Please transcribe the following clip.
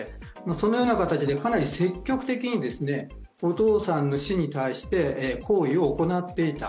そのような形で、かなり積極的にお父さんの死に対して行為を行っていた。